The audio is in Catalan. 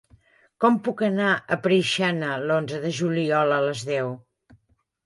Com puc anar a Preixana l'onze de juliol a les deu?